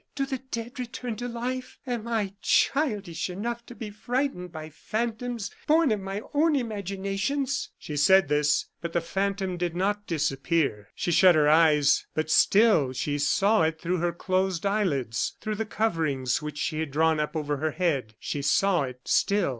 "Do the dead return to life? Am I childish enough to be frightened by phantoms born of my own imaginations?" She said this, but the phantom did not disappear. She shut her eyes, but still she saw it through her closed eyelids through the coverings which she had drawn up over her head, she saw it still.